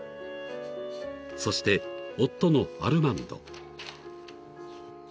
［そして夫のアルマンド］